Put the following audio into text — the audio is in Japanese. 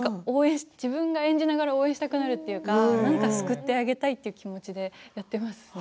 自分が演じながら応援したくなるというか救ってあげたいという気持ちでやっています。